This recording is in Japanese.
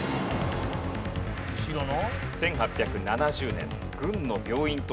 後ろの？